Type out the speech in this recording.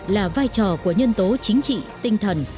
là vai trò của nhân tố chính trị tinh thần